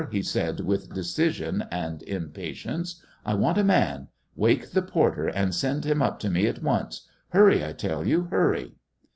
he said with decision and impatience, "I want a man. Wake the porter and send him up to me at once hurry! I tell you, hurry